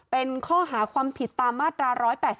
เป็นข้อหาความผิดตามมาตรา๑๘๒